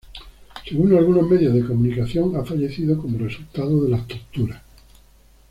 Según algunos medios de comunicación, ha fallecido como resultado de las torturas.